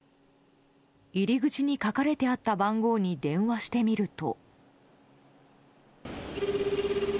入り口に書かれてあった番号に電話してみると。